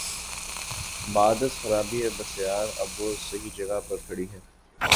بعد از خرابیٔ بسیار، اب وہ صحیح جگہ پہ کھڑی ہے۔